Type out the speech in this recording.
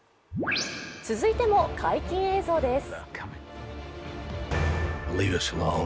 続いても解禁映像です。